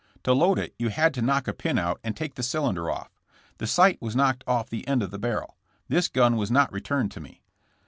To load it you had to knock a pin out and take the cylinder off. The sight was knocked off the end of the barrel. This gun was not returned to me.